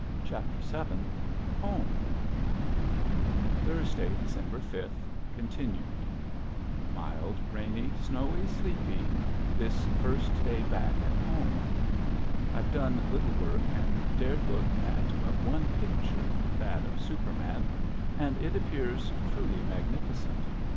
CHAPTER VII HOME Thursday, December fifth (Continued). Mild rainy, snowy, sleepy this first day back at home. I've done little work and dared look at but one picture that of Superman and it appears truly magnificent.